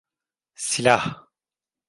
Silah.